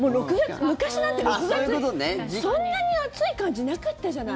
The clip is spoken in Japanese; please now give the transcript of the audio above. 昔なんて６月、そんなに暑い感じなかったじゃない？